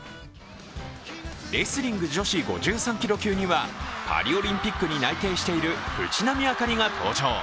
レスリング女子５３キロ級には、パリオリンピックに内定している藤波朱理が登場。